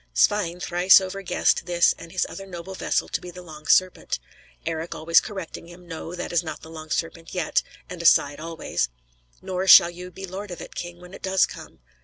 Svein thrice over guessed this and the other noble vessel to be the Long Serpent; Eric always correcting him: "No, that is not the Long Serpent yet" (and aside always), "Nor shall you be lord of it, King, when it does come."